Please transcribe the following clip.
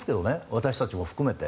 私たちも含めて。